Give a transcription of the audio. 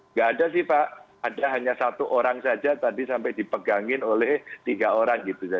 nggak ada sih pak ada hanya satu orang saja tadi sampai dipegangin oleh tiga orang gitu ya